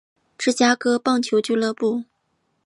芝加哥棒球俱乐部。